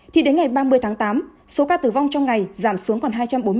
thì đến ngày ba mươi tháng tám số ca tử vong trong ngày giảm xuống còn hai trăm bốn mươi